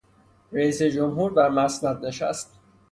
رییس جمهور بر مسند نشست.